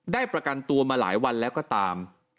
ประกันตัวมาหลายวันแล้วก็ตาม